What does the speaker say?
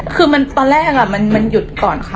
คือตอนแรกมันหยุดก่อนค่ะ